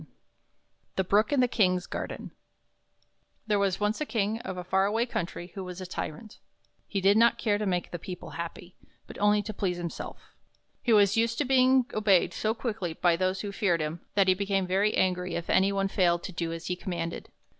34 The Brook in the Kings Garden T HERE was once a King of a far away country who was a tyrant. He did not care to make the people happy, but only to please himself. He was used to being obeyed so quickly by those who feared him, that he became very angry if any one failed to do as 35 THE BROOK IN THE KING'S GARDEN he commanded.